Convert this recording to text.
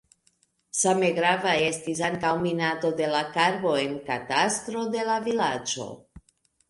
Same grava estis ankaŭ minado de la karbo en katastro de la vilaĝo.